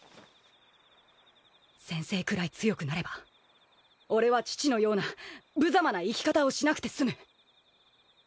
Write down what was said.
先生くらい強くなれば俺は父のようなぶざまな生き方をしなくて済む。